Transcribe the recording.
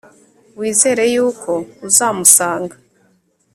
wizere y'uko uzamusanga